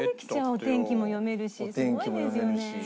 お天気も読めるしすごいですよね。